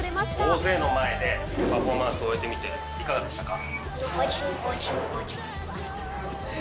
大勢の前でパフォーマンスを終えてみて、いかがでしたか？